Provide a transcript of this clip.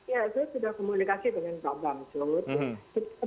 ya itu sudah komunikasi dengan bapak